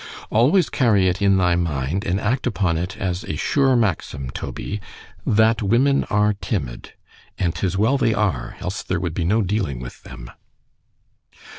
Always carry it in thy mind, and act upon it as a sure maxim, Toby—— "That women are timid:" And 'tis well they are——else there would be no dealing with them.